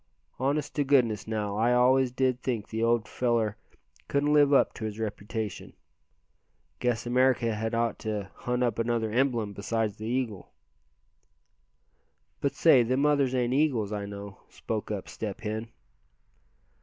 "Honest to goodness now, I always did think the old feller couldn't live up to his reputation. Guess America had ought to hunt up another emblem besides the eagle." "But say, them others ain't eagles, I know," spoke up Step Hen.